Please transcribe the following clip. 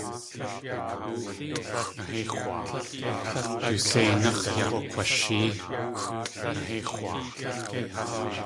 Du séináx̲ yakg̲washée.